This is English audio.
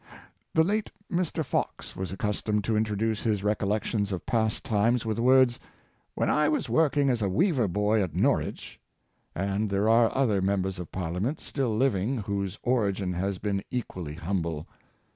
The late Mr. Fox was accustomed to introduce his recollections of past times with the words, '^ when I was working as a weaver boy at Norwich; " and there are other members of Parliament, still living, whose origin has been equally humble.